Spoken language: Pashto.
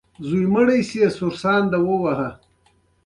هر انسان د مانا په لټه کې دی.